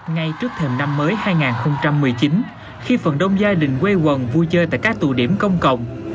ngay trước thềm năm mới hai nghìn một mươi chín khi phần đông gia đình quê quần vui chơi tại các tù điểm công cộng